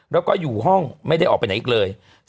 แล้วก็อยู่ห้องไม่ได้ออกไปไหนอีกเลย